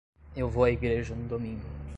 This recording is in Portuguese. Eu vou à igreja no domingo.